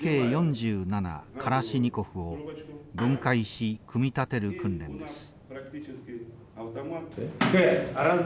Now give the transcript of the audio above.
カラシニコフを分解し組み立てる訓練です。